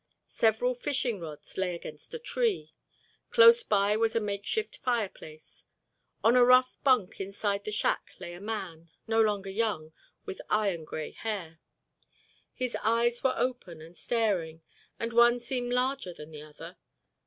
Several fishing rods lay against a tree. Close by was a makeshift fireplace. On a rough bunk inside the shack lay a man, no longer young, with iron gray hair. His eyes were open and staring and one seemed larger than the other.